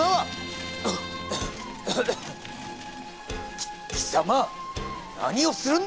き貴様何をするんだ！？